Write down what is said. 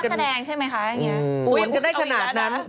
เขาเป็นนักแสดงใช่ไหมคะสวนกันได้ขนาดนั้น